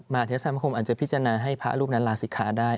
เทศสมคมอาจจะพิจารณาให้พระรูปนั้นลาศิกขาได้